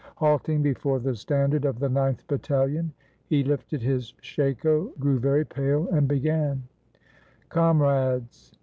Halting before the standard of the Ninth Battalion, he lifted his shako, grew very pale, and began :— "Comrades!"